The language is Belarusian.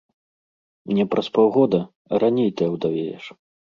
Не праз паўгода, а раней ты аўдавееш.